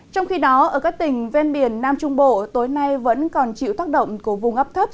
trong khi đó ở các tỉnh ven biển nam trung bộ tối nay vẫn còn chịu tác động của vùng ấp thấp